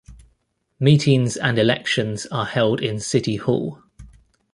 Meetings and elections are held in city hall.